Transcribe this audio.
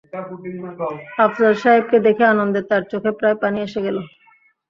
আফসার সাহেবকে দেখে আনন্দে তাঁর চোখে প্রায় পানি এসে গেল।